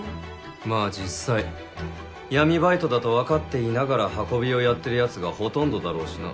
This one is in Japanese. まぁ実際闇バイトだと分かっていながら運びをやってるヤツがほとんどだろうしな。